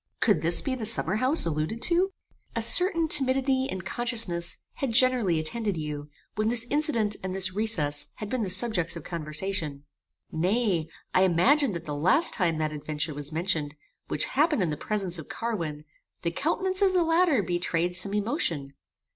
Could this be the summerhouse alluded to? A certain timidity and consciousness had generally attended you, when this incident and this recess had been the subjects of conversation. Nay, I imagined that the last time that adventure was mentioned, which happened in the presence of Carwin, the countenance of the latter betrayed some emotion.